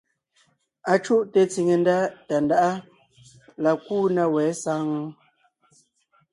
Acuʼte tsìŋe ndá Tàndáʼa la kúu na wɛ̌ saŋ ?